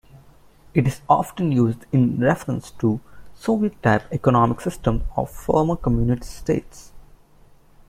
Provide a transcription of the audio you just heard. It is often used in reference to Soviet-type economic systems of former Communist states.